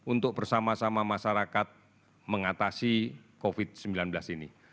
untuk bersama sama masyarakat mengatasi covid sembilan belas ini